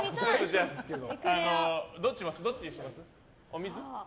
どっちにします？